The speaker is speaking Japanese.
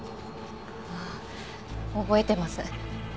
ああ覚えてます。